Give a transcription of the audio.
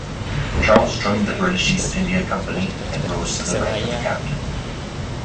Charles joined the British East India Company and rose to the rank of Captain.